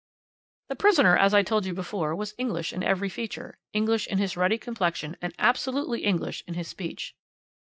"The prisoner, as I told you before, was English in every feature. English in his ruddy complexion, and absolutely English in his speech.